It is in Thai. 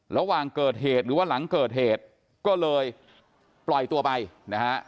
ระหว่างเกิดเหตุหรือว่าหลังเกิดเหตุก็เลยปล่อยตัวไปนะฮะ